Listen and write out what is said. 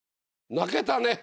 泣けたね。